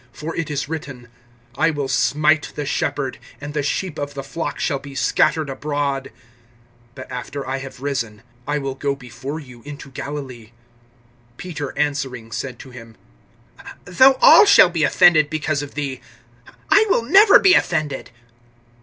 For it is written: I will smite the Shepherd, and the sheep of the flock shall be scattered abroad. (32)But after I have risen, I will go before you into Galilee. (33)Peter answering said to him: Though all shall be offended because of thee, I will never be offended.